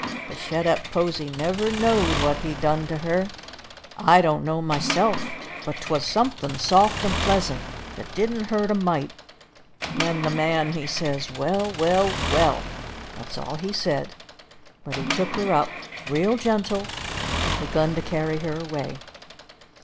The shet up posy never knowed what he done to her. I don't know myself, but 'twas somethin' soft and pleasant, that didn't hurt a mite, and then the man he says, "Well, well, well!" That's all he said, but he took her up real gentle, and begun to carry her away.